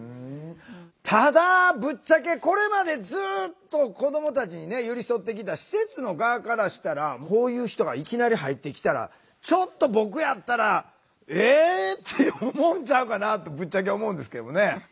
ただぶっちゃけこれまでずっと子どもたちに寄り添ってきた施設の側からしたらこういう人がいきなり入ってきたらちょっと僕やったら「えっ？」って思うんちゃうかなってぶっちゃけ思うんですけどね。